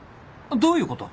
どういうこと？